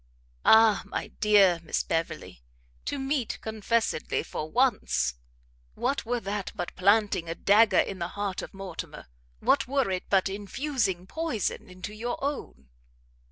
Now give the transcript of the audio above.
"Ah, my dear Miss Beverley! to meet confessedly for once, what were that but planting a dagger in the heart of Mortimer? What were it but infusing poison into your own?